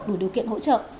đủ điều kiện hỗ trợ